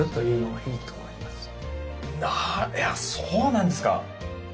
そうなんですか。